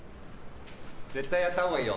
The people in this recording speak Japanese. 絶対やったほうがいいよ。